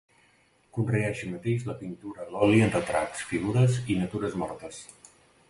Conreà així mateix la pintura a l'oli en retrats, figures i natures mortes.